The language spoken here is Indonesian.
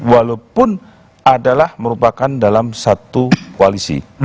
walaupun adalah merupakan dalam satu koalisi